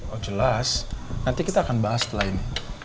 oh jelas nanti kita akan bahas setelah ini